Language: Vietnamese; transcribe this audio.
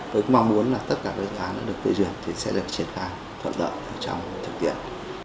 tôi cũng mong muốn là tất cả các dự án được tự dường thì sẽ được triển khai thuận lợi trong thực tiện